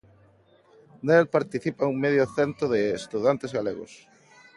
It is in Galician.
Nel participan medio cento de estudantes galegos.